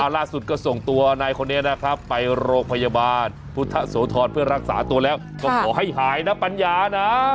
ล่าสุดก็ส่งตัวนายคนนี้นะครับไปโรงพยาบาลพุทธโสธรเพื่อรักษาตัวแล้วก็ขอให้หายนะปัญญานะ